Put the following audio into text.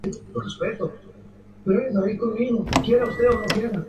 Y el tema me pareció que estaba bien, que era divertido aunque fuera trivial.